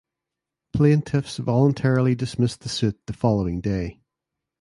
Plaintiffs voluntarily dismissed the suit the following day.